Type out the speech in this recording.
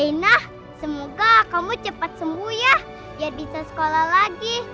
inah semoga kamu cepat sembuh ya biar bisa sekolah lagi